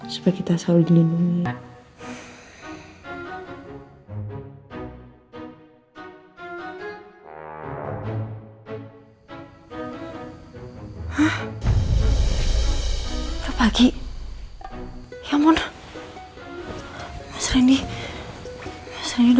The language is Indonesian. supaya kita selalu dilindungi